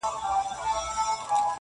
د توپان غرغړې اورم د بېړیو جنازې دي -